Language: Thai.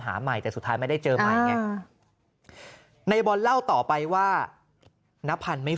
หาใหม่แต่สุดท้ายไม่ได้เจอในบอลเล่าต่อไปว่าน้าพันธุ์ไม่